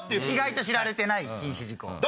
意外と知られてない禁止事項。